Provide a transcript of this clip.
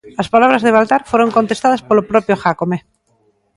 As palabras de Baltar foron contestadas polo propio Jácome.